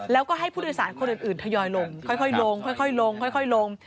แล้วก็ให้ผู้โดยสารคนอื่นทยอยลงค่อยลงลง